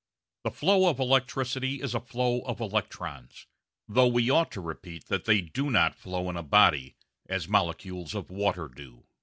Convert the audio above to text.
The flow of electricity is a flow of electrons; though we ought to repeat that they do not flow in a body, as molecules of water do.